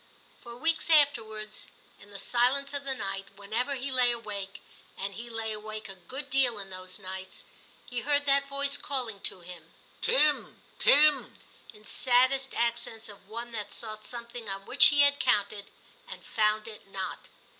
For weeks afterwards, in the silence of the night, whenever he lay awake (and he lay awake a good deal in those nights), he heard that voice calling to him, *Tim, Tim!' in saddest accents of one that sought something on which he had counted, and found it not.